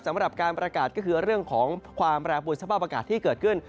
สำหรับการประกาศก็คือเรื่องของความแปรปวนสภาพอากาศที่เกิดขึ้น